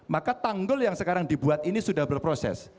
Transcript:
maka tanggul yang sekarang dibuat ini sudah berproses